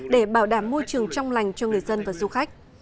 để bảo đảm môi trường trong lành cho người dân và du khách